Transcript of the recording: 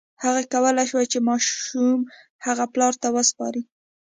هغه کولی شي چې ماشوم هغه پلار ته وسپاري.